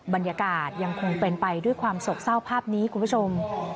บรรยากาศยังคงเป็นไปด้วยความโศกเศร้าภาพนี้คุณผู้ชม